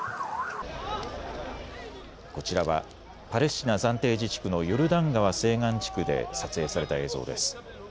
こちらはパレスチナ暫定自治区のヨルダン川西岸地区で撮影された映像です。